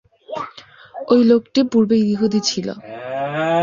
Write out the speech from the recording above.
ঐ লোকটি পূর্বে ইহুদী ছিল।